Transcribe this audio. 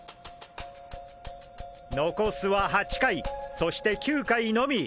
残すは８回そして９回のみ！